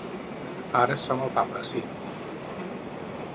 Ara es fa amb el Papa, sí.